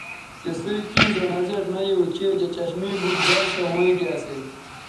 تِسئ کیں زو نظر نہ یو چیں چہء چشمے بُٹ زر سو ھوینگے اسی